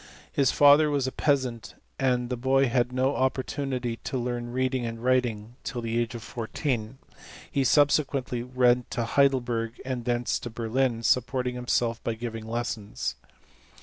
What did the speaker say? His father was a peasant, and the boy had no opportunity to learn reading and writing till the age of fourteen. He subsequently went to Heidelberg and thence to Berlin, supporting himself by giving lessons.